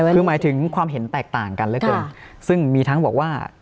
คือหมายถึงความเห็นแตกต่างกันเหลือเกินซึ่งมีทั้งบอกว่า